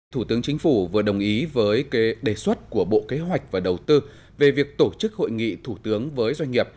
thủ tướng chính phủ vừa đồng ý với đề xuất của bộ kế hoạch và đầu tư về việc tổ chức hội nghị thủ tướng với doanh nghiệp